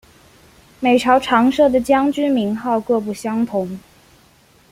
每朝常设的将军名号各不相同。